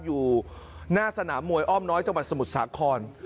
อยู่หน้าสนามมวยอ้อมน้อยจังหวัดสมุทรสาคร